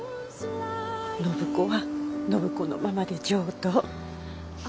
暢子は暢子のままで上等。